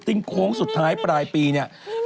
ซึ่งโค้งสุดท้ายปลายปีเนี่ย